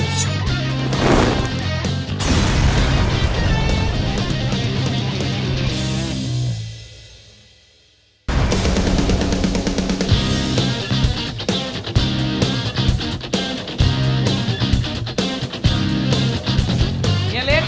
อันนี้ปลาอินซียักษ์นะครับ